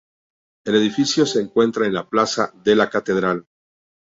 El edificio se encuentra en la plaza de la Catedral.